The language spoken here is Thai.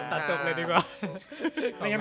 ตัดจบเลยดีกว่า